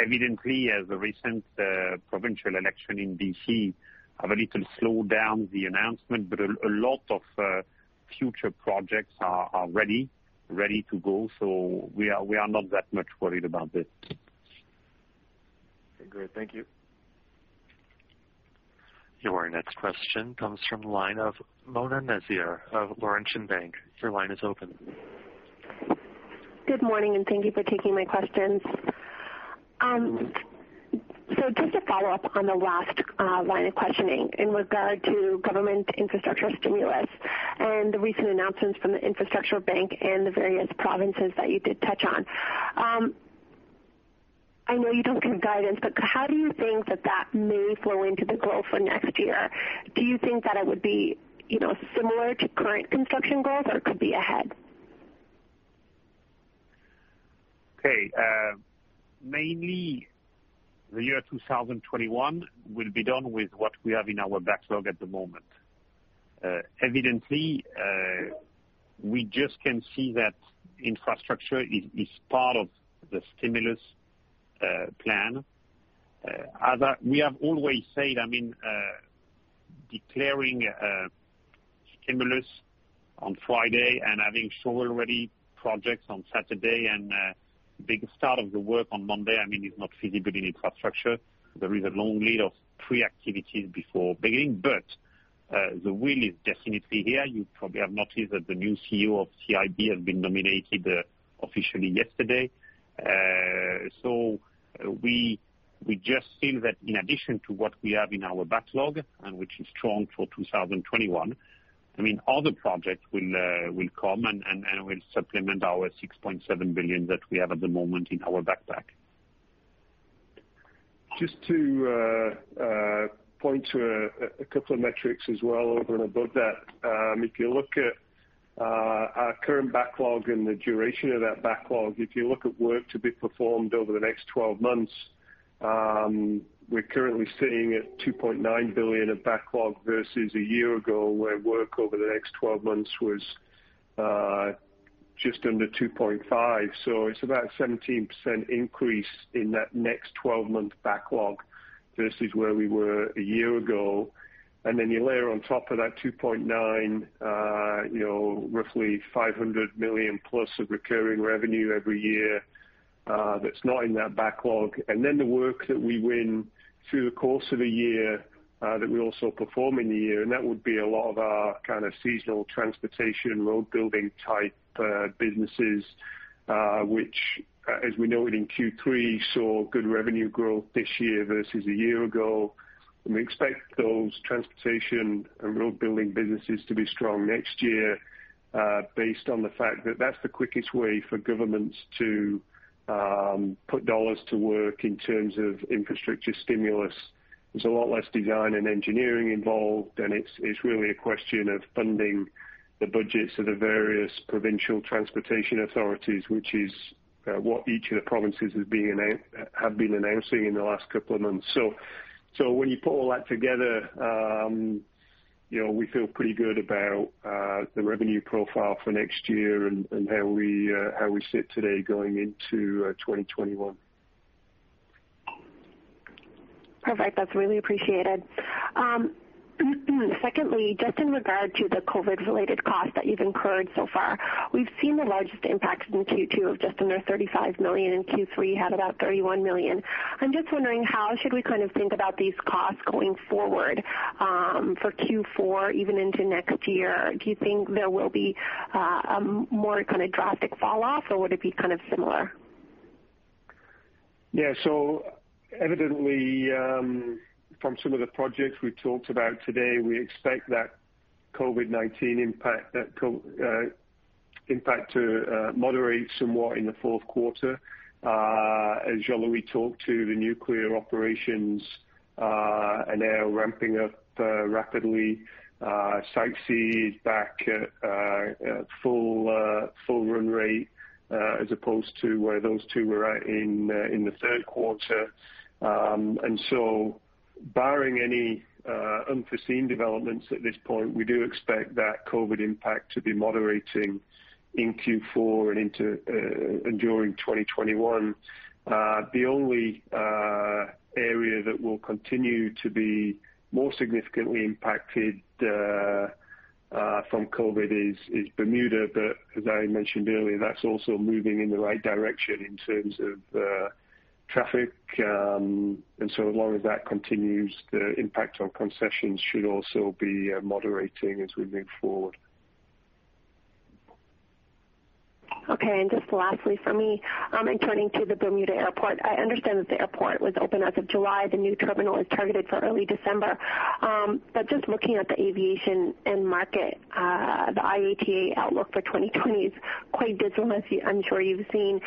Evidently, as the recent provincial election in B.C. have a little slowed down the announcement. A lot of future projects are ready to go. We are not that much worried about it. Okay, great. Thank you. Your next question comes from the line of Mona Nazir of Laurentian Bank. Your line is open. Good morning, and thank you for taking my questions. Just to follow up on the last line of questioning in regard to government infrastructure stimulus and the recent announcements from the Infrastructure Bank and the various provinces that you did touch on. I know you don't give guidance, but how do you think that that may flow into the growth for next year? Do you think that it would be similar to current construction growth, or it could be ahead? Okay. Mainly the year 2021 will be done with what we have in our backlog at the moment. Evidently, we just can see that infrastructure is part of the stimulus plan. As we have always said, declaring stimulus on Friday and having shovel-ready projects on Saturday and big start of the work on Monday is not feasible in infrastructure. There is a long lead of pre-activities before beginning. The will is definitely here. You probably have noticed that the new CEO of CIB has been nominated officially yesterday. We just feel that in addition to what we have in our backlog, and which is strong for 2021, other projects will come and will supplement our 6.7 billion that we have at the moment in our backpack. Just to point to a couple of metrics as well over and above that. If you look at our current backlog and the duration of that backlog, if you look at work to be performed over the next 12 months, we're currently sitting at 2.9 billion of backlog versus a year ago, where work over the next 12 months was just under 2.5 billion. It's about a 17% increase in that next 12-month backlog versus where we were a year ago. You layer on top of that 2.9, roughly 500 million+ of recurring revenue every year that's not in that backlog. The work that we win through the course of a year that we also perform in the year. That would be a lot of our kind of seasonal transportation, road-building type businesses which, as we noted in Q3, saw good revenue growth this year versus a year ago. We expect those transportation and road-building businesses to be strong next year based on the fact that that's the quickest way for governments to put dollars to work in terms of infrastructure stimulus. There's a lot less design and engineering involved, and it's really a question of funding the budgets of the various provincial transportation authorities, which is what each of the provinces have been announcing in the last couple of months. When you put all that together, we feel pretty good about the revenue profile for next year and how we sit today going into 2021. Perfect. That's really appreciated. Secondly, just in regard to the COVID-related cost that you've incurred so far, we've seen the largest impacts in Q2 of just under 35 million, and Q3 had about 31 million. I'm just wondering how should we kind of think about these costs going forward for Q4, even into next year? Do you think there will be a more kind of drastic fall off, or would it be kind of similar? Yeah. Evidently, from some of the projects we talked about today, we expect that COVID-19 impact to moderate somewhat in the fourth quarter. As Jean-Louis talked to, the nuclear operations are now ramping up rapidly. Site C is back at full run rate as opposed to where those two were at in the third quarter. Barring any unforeseen developments at this point, we do expect that COVID impact to be moderating in Q4 and during 2021. The only area that will continue to be more significantly impacted from COVID is Bermuda. As I mentioned earlier, that's also moving in the right direction in terms of traffic. As long as that continues, the impact on concessions should also be moderating as we move forward. Okay. Just lastly from me, turning to the Bermuda Airport, I understand that the airport was open as of July. The new terminal is targeted for early December. Just looking at the aviation end market, the IATA outlook for 2020 is quite dismal, I'm sure you've seen.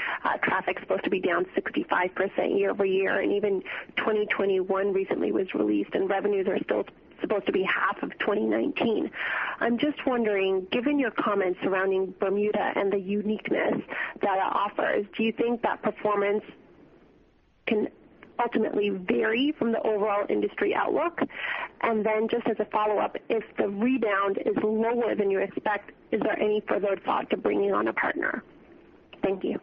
Traffic's supposed to be down 65% year-over-year, even 2021 recently was released, revenues are supposed to be half of 2019. I'm just wondering, given your comments surrounding Bermuda and the uniqueness that it offers, do you think that performance can ultimately vary from the overall industry outlook? Then just as a follow-up, if the rebound is lower than you expect, is there any further thought to bringing on a partner? Thank you.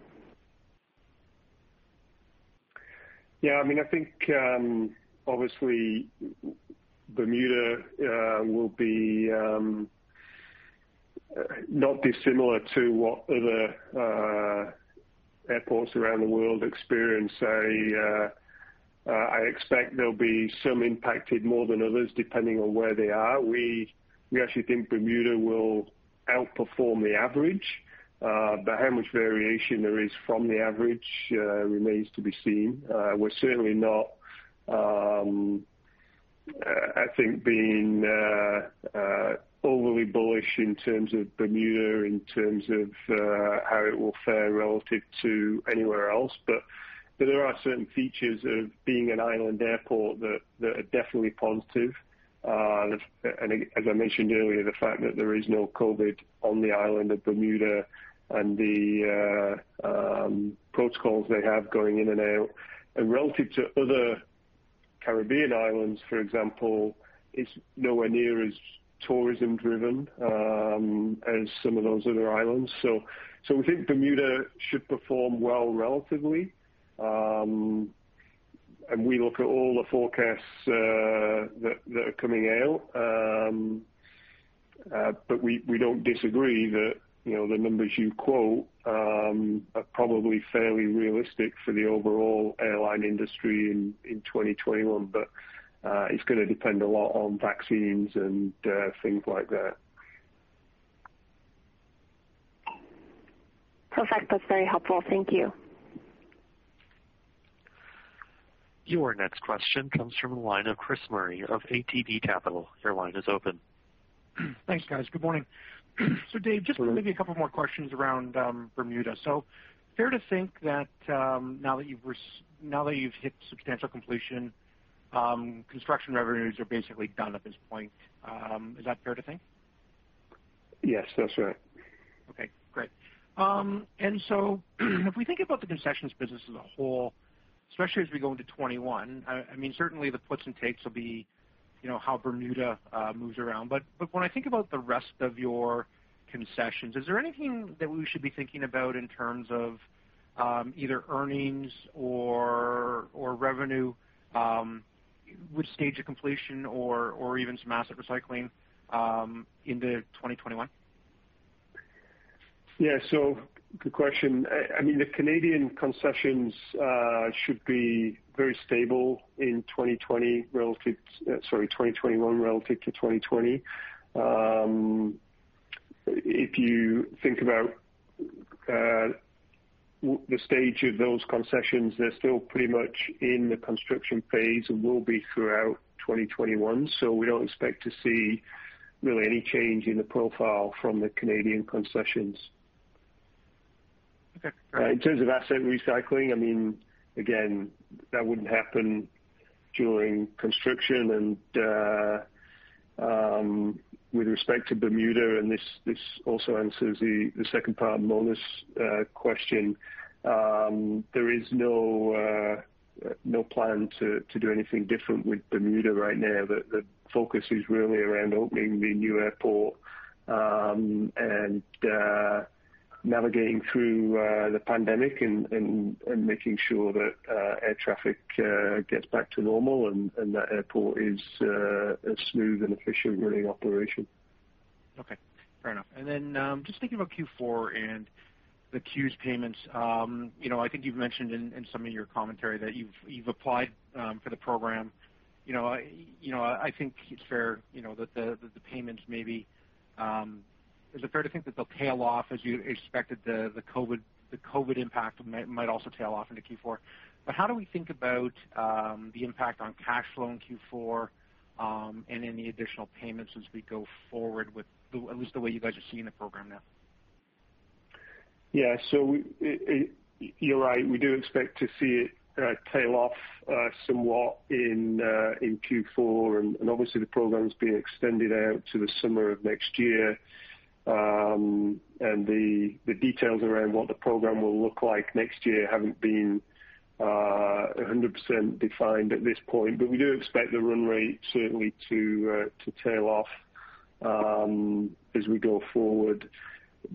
Yeah, I think, obviously Bermuda will be not dissimilar to what other airports around the world experience. I expect there will be some impacted more than others, depending on where they are. We actually think Bermuda will outperform the average. How much variation there is from the average remains to be seen. We are certainly not, I think, being overly bullish in terms of Bermuda, in terms of how it will fare relative to anywhere else. There are certain features of being an island airport that are definitely positive. As I mentioned earlier, the fact that there is no COVID on the island of Bermuda and the protocols they have going in and out. Relative to other Caribbean islands, for example, it is nowhere near as tourism-driven as some of those other islands. We think Bermuda should perform well relatively. We look at all the forecasts that are coming out. We don't disagree that the numbers you quote are probably fairly realistic for the overall airline industry in 2021. It's going to depend a lot on vaccines and things like that. Perfect. That's very helpful. Thank you. Your next question comes from the line of Chris Murray of ATB Capital. Your line is open. Thanks, guys. Good morning. Hello. Dave, just maybe a couple more questions around Bermuda. Fair to think that now that you've hit substantial completion, construction revenues are basically done at this point. Is that fair to think? Yes, that's right. Okay, great. If we think about the concessions business as a whole, especially as we go into 2021, certainly the puts and takes will be how Bermuda moves around. When I think about the rest of your concessions, is there anything that we should be thinking about in terms of either earnings or revenue, with stage of completion or even some asset recycling into 2021? Yeah. Good question. The Canadian concessions should be very stable in 2021 relative to 2020. If you think about the stage of those concessions, they're still pretty much in the construction phase and will be throughout 2021. We don't expect to see really any change in the profile from the Canadian concessions. Okay, great. In terms of asset recycling, again, that wouldn't happen during construction. With respect to Bermuda, this also answers the second part of Mona's question, there is no plan to do anything different with Bermuda right now. The focus is really around opening the new airport, and navigating through the pandemic, and making sure that air traffic gets back to normal and that airport is a smooth and efficient running operation. Okay. Fair enough. Just thinking about Q4 and the CEWS payments. I think you've mentioned in some of your commentary that you've applied for the program. I think it's fair that the payments. Is it fair to think that they'll tail off as you expected the COVID impact might also tail off into Q4? How do we think about the impact on cash flow in Q4, and any additional payments as we go forward with at least the way you guys are seeing the program now? Yeah. You're right, we do expect to see it tail off somewhat in Q4. Obviously the program's being extended out to the summer of next year. The details around what the program will look like next year haven't been 100% defined at this point. We do expect the run rate certainly to tail off. As we go forward.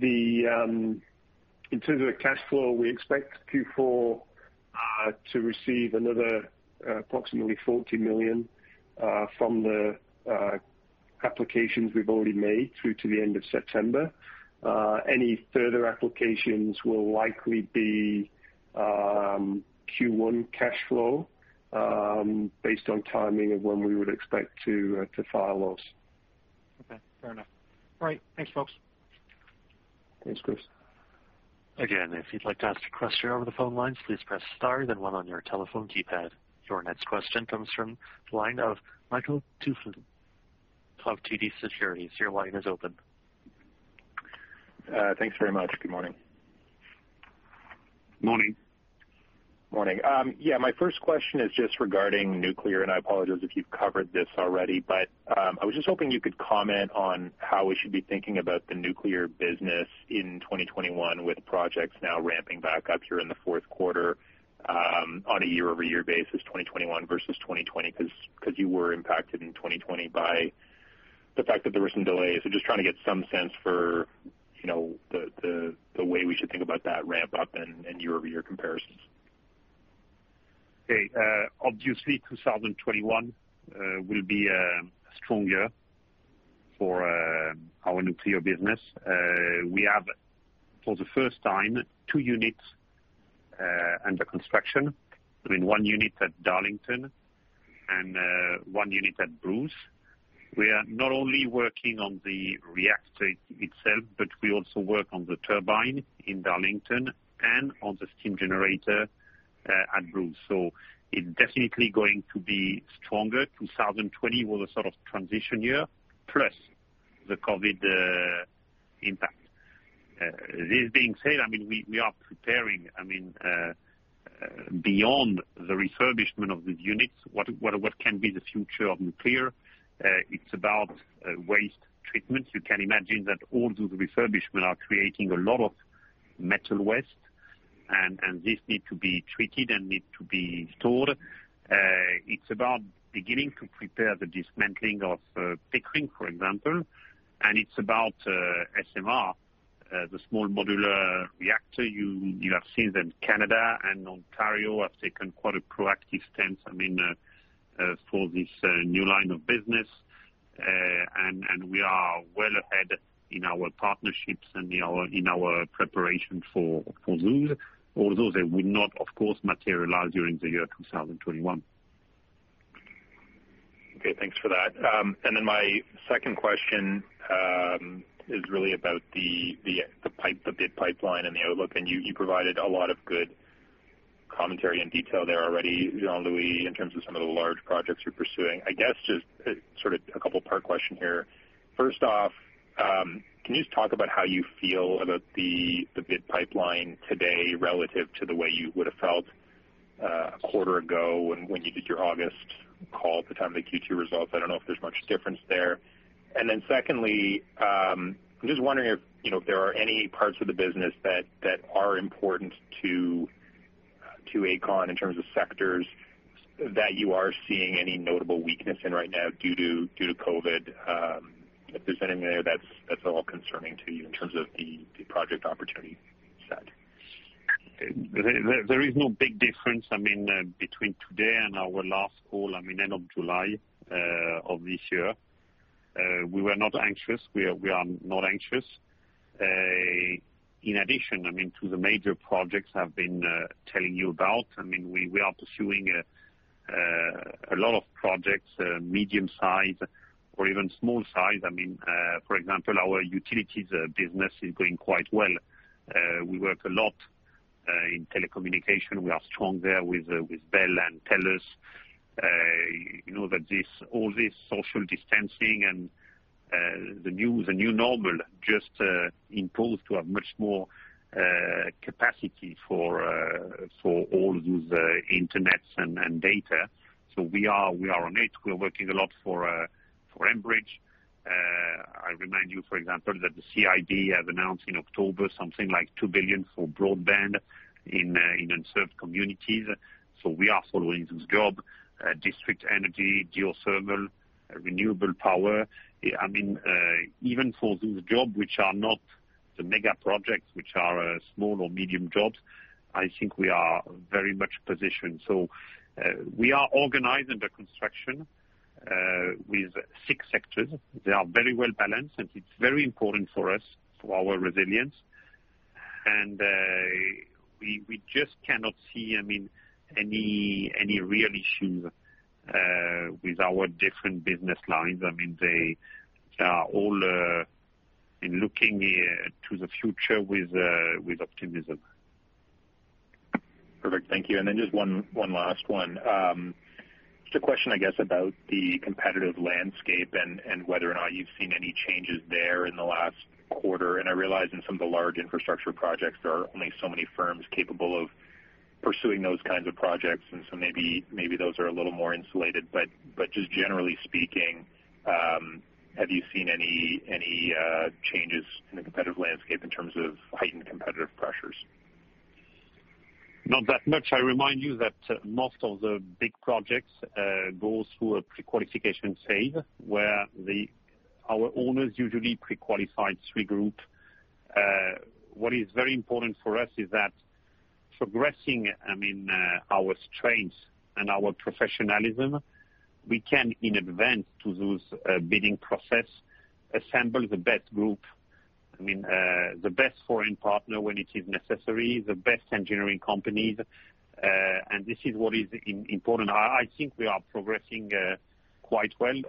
In terms of the cash flow, we expect Q4 to receive another approximately 40 million from the applications we've already made through to the end of September. Any further applications will likely be Q1 cash flow, based on timing of when we would expect to file those. Okay, fair enough. All right. Thanks, folks. Thanks, Chris. If you'd like to ask a question over the phone lines, please press star, then one on your telephone keypad. Your next question comes from the line of Michael Tupholme of TD Securities. Your line is open. Thanks very much. Good morning. Morning. Morning. My first question is just regarding nuclear, and I apologize if you've covered this already, but I was just hoping you could comment on how we should be thinking about the nuclear business in 2021 with projects now ramping back up here in the fourth quarter on a year-over-year basis, 2021 versus 2020, because you were impacted in 2020 by the fact that there were some delays. Just trying to get some sense for the way we should think about that ramp up and year-over-year comparisons. 2021 will be a strong year for our nuclear business. We have, for the first time, two units under construction. One unit at Darlington and one unit at Bruce. We are not only working on the reactor itself, but we also work on the turbine in Darlington and on the steam generator at Bruce. It's definitely going to be stronger. 2020 was a sort of transition year, plus the COVID impact. This being said, we are preparing, beyond the refurbishment of these units, what can be the future of nuclear. It's about waste treatment. You can imagine that all those refurbishment are creating a lot of metal waste, and this need to be treated and need to be stored. It's about beginning to prepare the dismantling of Pickering, for example, and it's about SMR, the small modular reactor. You have seen that Canada and Ontario have taken quite a proactive stance for this new line of business. We are well ahead in our partnerships and in our preparation for those, although they will not, of course, materialize during the year 2021. Okay, thanks for that. My second question is really about the bid pipeline and the outlook. You provided a lot of good commentary and detail there already, Jean-Louis, in terms of some of the large projects you're pursuing. I guess just a couple-part question here. First off, can you just talk about how you feel about the bid pipeline today relative to the way you would have felt a quarter ago when you did your August call at the time of the Q2 results? I don't know if there's much difference there. Secondly, I'm just wondering if there are any parts of the business that are important to Aecon in terms of sectors that you are seeing any notable weakness in right now due to COVID. If there's anything there that's at all concerning to you in terms of the project opportunity set. There is no big difference between today and our last call, end of July of this year. We were not anxious. We are not anxious. In addition to the major projects I have been telling you about, we are pursuing a lot of projects, medium size or even small size. For example, our utilities business is going quite well. We work a lot in telecommunication. We are strong there with Bell and TELUS. You know that all this social distancing and the new normal just imposed to have much more capacity for all those internets and data. We are on it. We are working a lot for Enbridge. I remind you, for example, that the CIB have announced in October something like 2 billion for broadband in unserved communities. We are following this job, district energy, geothermal, renewable power. Even for those jobs which are not the mega projects, which are small or medium jobs, I think we are very much positioned. We are organized under construction with six sectors. They are very well balanced, it's very important for us, for our resilience. We just cannot see any real issue with our different business lines. They are all looking to the future with optimism. Perfect. Thank you. Just one last one. Just a question, I guess, about the competitive landscape and whether or not you've seen any changes there in the last quarter. I realize in some of the large infrastructure projects, there are only so many firms capable of pursuing those kinds of projects, maybe those are a little more insulated. Just generally speaking, have you seen any changes in the competitive landscape in terms of heightened competitive pressures? Not that much. I remind you that most of the big projects go through a prequalification phase, where our owners usually prequalify three groups. What is very important for us is that progressing our strengths and our professionalism, we can, in advance to those bidding process, assemble the best group, the best foreign partner when it is necessary, the best engineering companies, and this is what is important. I think we are progressing quite well.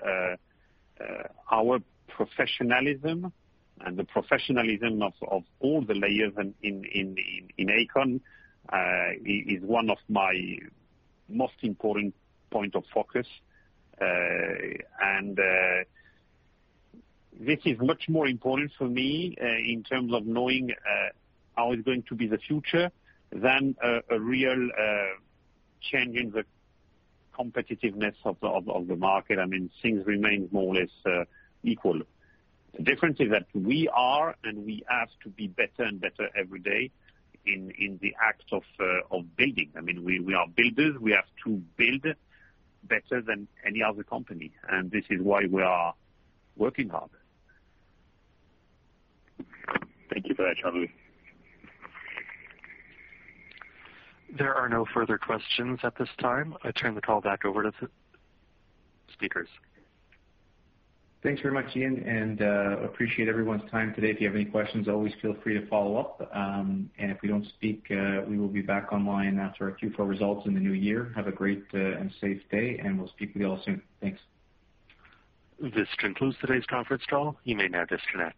Our professionalism and the professionalism of all the layers in Aecon is one of my most important point of focus. This is much more important for me, in terms of knowing how is going to be the future, than a real change in the competitiveness of the market. Things remain more or less equal. The difference is that we are, and we have to be better and better every day in the act of building. We are builders. We have to build better than any other company, and this is why we are working hard. Thank you for that, Jean-Louis. There are no further questions at this time. I turn the call back over to speakers. Thanks very much, Jean, and appreciate everyone's time today. If you have any questions, always feel free to follow up. If we don't speak, we will be back online after our Q4 results in the new year. Have a great and safe day, and we'll speak with you all soon. Thanks. This concludes today's conference call. You may now disconnect.